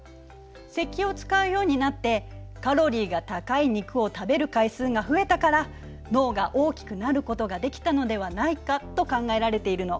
石器を使うようになってカロリーが高い肉を食べる回数が増えたから脳が大きくなることができたのではないかと考えられているの。